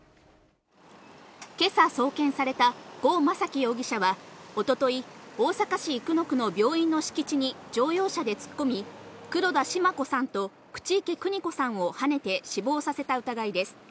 けさ送検された、呉昌樹容疑者は、おととい、大阪市生野区の病院の敷地に乗用車で突っ込み、黒田シマ子さんと口池邦子さんをはねて死亡させた疑いです。